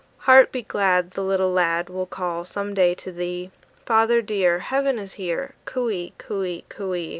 Heart be glad, The little lad Will call some day to thee: "Father dear, "Heaven is here, "Coo ee, coo ee, coo ee!"